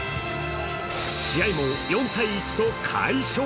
試合も４−１と快勝！